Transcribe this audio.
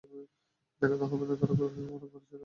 দেখতে হবে না তারা কাকে অপহরণ করেছিলো!